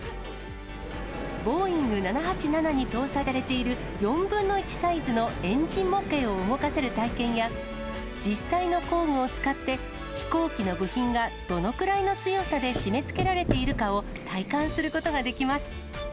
ボーイング７８７に搭載されている、４分の１サイズのエンジン模型を動かせる体験や、実際の工具を使って、飛行機の部品がどのくらいの強さで締めつけられているかを体感す重い。